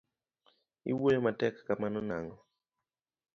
iwuoyo matek kamano nang'o?